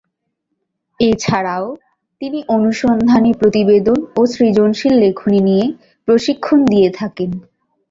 এছাড়াও, তিনি অনুসন্ধানী প্রতিবেদন ও সৃজনশীল লেখনী নিয়ে প্রশিক্ষণ দিয়ে থাকেন।